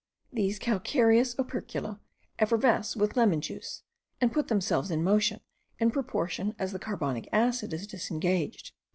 These calcareous opercula effervesce with lemon juice, and put themselves in motion in proportion as the carbonic acid is disengaged.